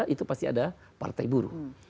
itu pasti ada partai buruh